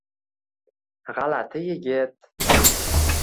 G’alati yigit.